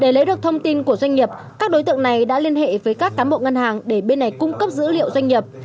để lấy được thông tin của doanh nghiệp các đối tượng này đã liên hệ với các cán bộ ngân hàng để bên này cung cấp dữ liệu doanh nghiệp